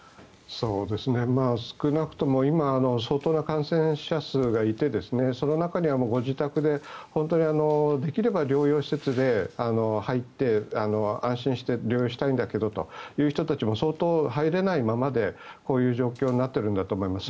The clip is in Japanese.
少なくとも今、相当な感染者数がいてその中にはご自宅で本当にできれば療養施設に入って安心して療養したいんだけどという人も相当、入れないままでこういう状況になってるんだと思います。